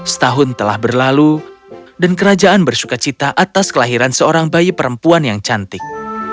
setahun telah berlalu dan kerajaan bersuka cita atas kelahiran seorang bayi perempuan yang cantik